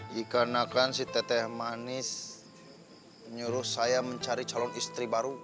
dikarenakan si teteh manis menyuruh saya mencari calon istri baru